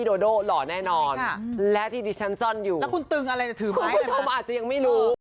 แต่อีกหนึ่งเดือนนะคะ